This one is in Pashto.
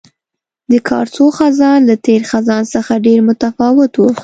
د کارسو خزان له تېر خزان څخه ډېر متفاوت وو.